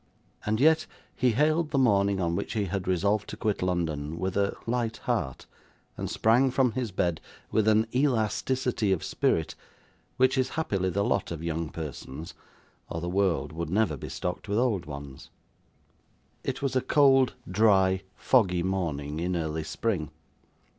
And yet he hailed the morning on which he had resolved to quit London, with a light heart, and sprang from his bed with an elasticity of spirit which is happily the lot of young persons, or the world would never be stocked with old ones. It was a cold, dry, foggy morning in early spring.